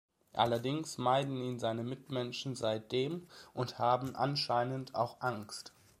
Allerdings meiden ihn seine Mitmenschen seitdem und haben anscheinend auch Angst.